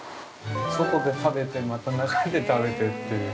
外で食べてまた中で食べてっていう。